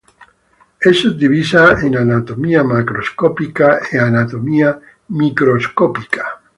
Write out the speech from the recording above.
È suddivisa in anatomia macroscopica e anatomia microscopica.